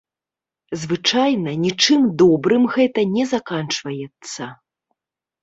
Звычайна нічым добрым гэта не заканчваецца.